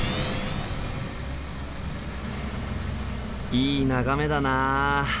いい眺めだな！